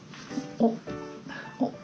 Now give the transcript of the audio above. おっ！